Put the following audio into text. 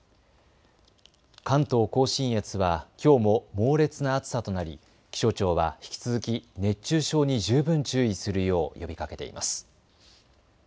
関東甲信越はきょうも猛烈な暑さとなり、気象庁は引き続き熱中症に十分注意するよう呼びかけています。